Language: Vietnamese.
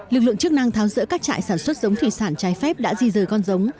lực lượng chức năng tháo rỡ các trại sản xuất giống thủy sản trái phép đã di rời con giống